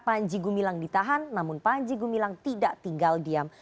panji gumilang ditahan namun panji gumilang tidak tinggal diam